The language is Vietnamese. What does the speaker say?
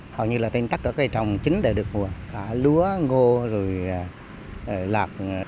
hầu như là tên tất cả cây trồng chính đã được mùa cả lúa ngô rồi lạc